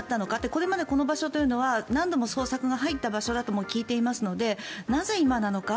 これまでこの場所というのは何度も捜索が入った場所だとも聞いていますのでなぜ今なのか。